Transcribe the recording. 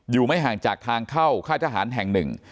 ไม่ห่างจากทางเข้าค่ายทหารแห่งหนึ่ง